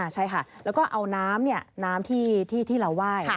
ใช่ค่ะแล้วก็เอาน้ำน้ำที่เราไหว้